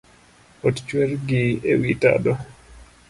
Ot chwer gi ewi tado